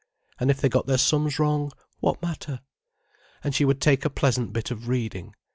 And if they got their sums wrong, what matter? And she would take a pleasant bit of reading.